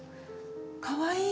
かわいい！